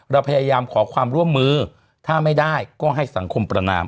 เราพยายามขอความร่วมมือถ้าไม่ได้ก็ให้สังคมประนาม